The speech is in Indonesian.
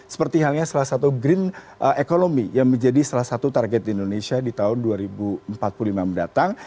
seperti halnya salah satu green economy yang menjadi salah satu target di indonesia di tahun dua ribu empat puluh lima mendatang